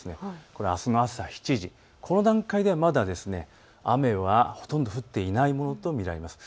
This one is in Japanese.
これあすの朝７時、この段階ではまだ雨はほとんど降っていないものと見られます。